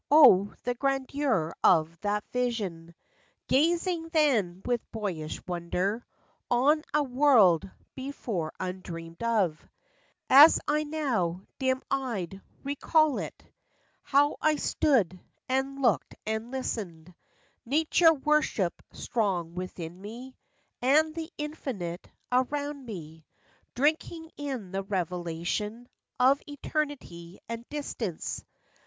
O, the grandeur of that vision! Gazing then with boyish wonder On a world before undreamed of— As I now, dim eyed, recall it— How I stood, and looked and listened— Nature worship strong within me, And the infinite around me, Drinking in the revelation Of eternity and distance